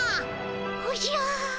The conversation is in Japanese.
おじゃあ。